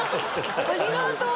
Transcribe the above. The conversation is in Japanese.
ありがとう！